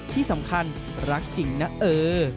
ที่สำคัญรักจริงนะเออ